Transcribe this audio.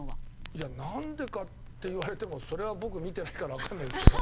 いやなんでかって言われてもそれは僕見てないからわかんないんですけど。